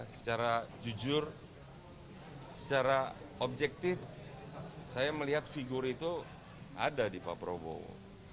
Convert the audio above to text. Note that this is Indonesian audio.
secara jujur secara objektif saya melihat figur itu ada di pak prabowo